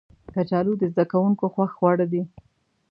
کچالو د زده کوونکو خوښ خواړه دي